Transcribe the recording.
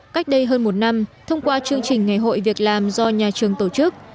cách đây hơn một năm thông qua chương trình ngày hội việc làm do nhà trường tổ chức